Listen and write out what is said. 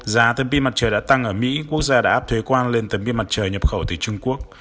giá tấm pin mặt trời đã tăng ở mỹ quốc gia đã áp thuế quan lên tấm pin mặt trời nhập khẩu từ trung quốc